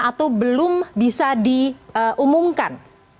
atau belum bisa diumumkan